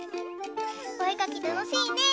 おえかきたのしいねえ。